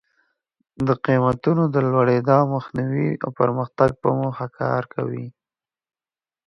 د قیمتونو د لوړېدا د مخنیوي او پرمختګ په موخه کار کوي.